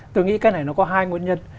tôi nghĩ cái này nó có hai nguyên nhân